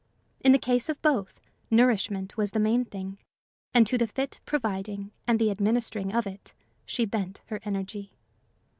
In the case of both, nourishment was the main thing; and to the fit providing and the administering of it she bent her energy.